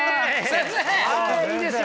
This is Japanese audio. いいですね！